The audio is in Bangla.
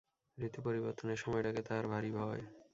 ঋতুপরিবর্তনের সময়টাকে তাহার ভারি ভয়।